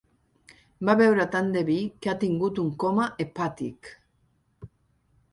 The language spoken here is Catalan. Va beure tant de vi que ha tingut un coma hepàtic.